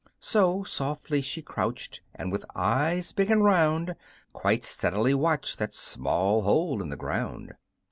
So, softly she crouched, and with eyes big and round Quite steadily watched that small hole in the ground.